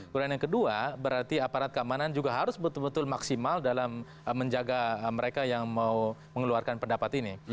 kemudian yang kedua berarti aparat keamanan juga harus betul betul maksimal dalam menjaga mereka yang mau mengeluarkan pendapat ini